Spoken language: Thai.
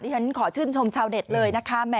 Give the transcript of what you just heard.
ฉันขอชื่นชมชาวเน็ตเลยนะคะ